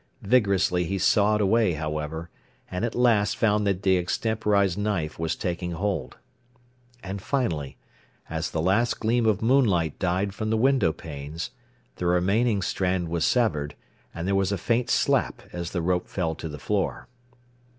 Vigorously he sawed away, however, and at last found that the extemporized knife was taking hold. And finally, as the last gleam of moonlight died from the window panes, the remaining strand was severed, and there was a faint slap as the rope fell to the floor.